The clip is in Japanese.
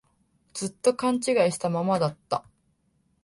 ずっと勘違いしたままだった